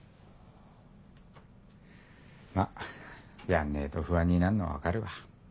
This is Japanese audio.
まっやんねえと不安になんのは分かるわ。